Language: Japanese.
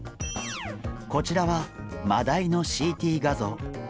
こちらはマダイのＣＴ画像。